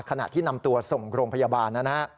ขณะที่นำตัวส่งโรงพยาบาลนะฮะ